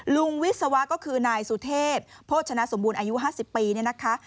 วิศวะก็คือนายสุเทพโภชนะสมบูรณ์อายุ๕๐ปีเนี่ยนะคะ